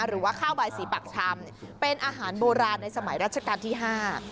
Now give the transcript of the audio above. หรือว่าข้าวใบสีปักชำเป็นอาหารโบราณในสมัยรัชกาลที่ห้า